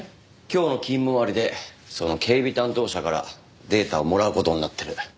今日の勤務終わりでその警備担当者からデータをもらう事になってる。